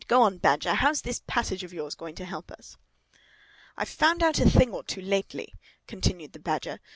Go on, Badger. How's this passage of yours going to help us?" "I've found out a thing or two lately," continued the Badger.